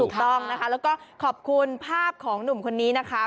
ถูกต้องนะคะแล้วก็ขอบคุณภาพของหนุ่มคนนี้นะคะ